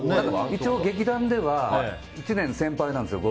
一応、劇団では１年先輩なんですよ。